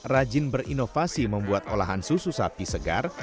rajin berinovasi membuat olahan susu sapi segar